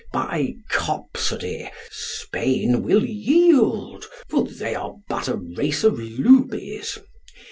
By copsody, Spain will yield, for they are but a race of loobies.